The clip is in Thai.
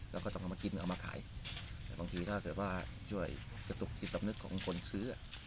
ก็ต้องเอามากินเอามาขายแต่บางทีถ้าเกิดว่าช่วยกระตุกจิตสำนึกของคนซื้อ